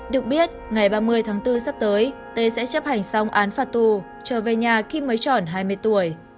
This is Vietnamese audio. được biết ngày ba mươi tháng bốn sắp tới tê sẽ chấp hành xong án phạt tù trở về nhà khi mới tròn hai mươi tuổi